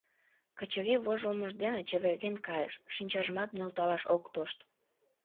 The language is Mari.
Качырий вожылмыж дене чеверген кайыш, шинчажымат нӧлталаш ок тошт.